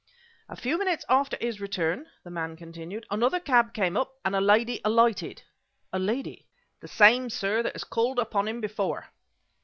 "A few minutes after his return," the man continued, "another cab came up, and a lady alighted." "A lady!" "The same, sir, that has called upon him before."